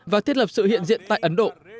và thiết lập sự hiện diện tại ấn độ